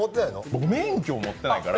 僕、免許持ってないから。